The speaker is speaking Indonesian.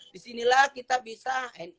disinilah kita bisa